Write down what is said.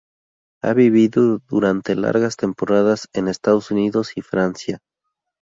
Ha vivido durante largas temporadas en Estados Unidos y Francia.